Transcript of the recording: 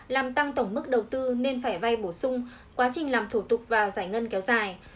làm tăng tổng mức đầu tư nên phải vay bổ sung quá trình làm thủ tục và giải ngân kéo dài